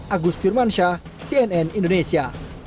agus firman shah cnn indonesia